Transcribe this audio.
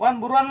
wan buruan wan